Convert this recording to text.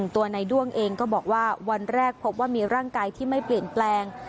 ตัวในด้วงเองก็บอกว่าวันแรกพบว่ามีร่างกายที่ไม่เปลี่ยนแปลง